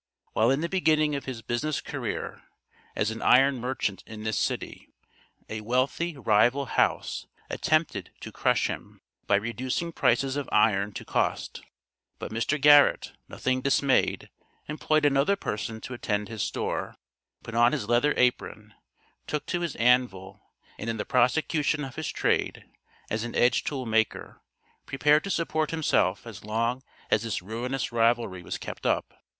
While in the beginning of his business career, as an iron merchant in this city, a wealthy rival house attempted to crush him, by reducing prices of iron to cost, but Mr. Garrett, nothing dismayed, employed another person to attend his store, put on his leather apron, took to his anvil, and in the prosecution of his trade, as an edge tool maker, prepared to support himself as long as this ruinous rivalry was kept up.